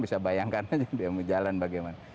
bisa bayangkan aja dia mau jalan bagaimana